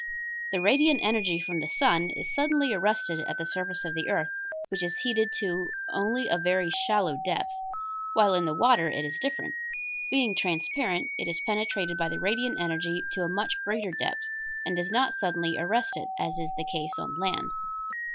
The radiant energy from the sun is suddenly arrested at the surface of the earth, which is heated to only a very shallow depth, while in the water it is different; being transparent it is penetrated by the radiant energy to a much greater depth and does not suddenly arrest it, as is the case on land.